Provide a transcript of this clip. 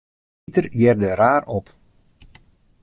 Piter hearde raar op.